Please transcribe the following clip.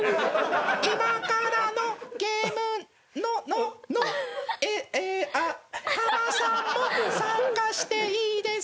今からのゲームのののええあハマさんも参加していいですか？